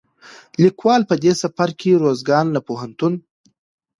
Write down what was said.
ليکوال په دې سفر کې روزګان له پوهنتون،